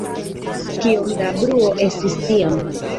Kiom da bruo estis tiam..